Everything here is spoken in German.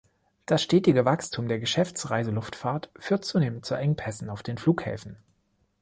Das stetige Wachstum der Geschäftsreiseluftfahrt führt zunehmend zu Engpässen auf den Flughäfen.